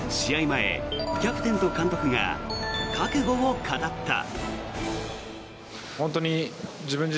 前、キャプテンと監督が覚悟を語った。